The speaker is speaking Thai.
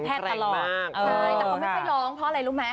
แต่เขาไม่ให้ร้องเพราะอะไรรู้ไหม